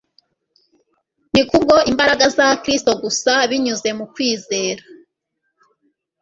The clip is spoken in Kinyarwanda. Ni kubwo imbaraga za Kristo gusa, binyuze mu kwizera,